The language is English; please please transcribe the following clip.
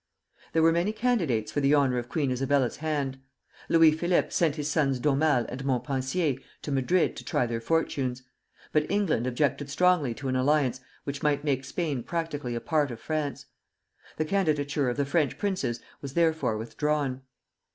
There were many candidates for the honor of Queen Isabella's hand. Louis Philippe sent his sons D'Aumale and Montpensier to Madrid to try their fortunes; but England objected strongly to an alliance which might make Spain practically a part of France. The candidature of the French princes was therefore withdrawn.